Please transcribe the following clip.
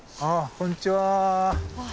こんにちは。